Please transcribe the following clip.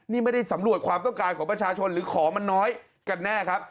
นี่ไม่ได้สำรวจความต้องการของประชาชนหรือของมันน้อยกันแน่ครับ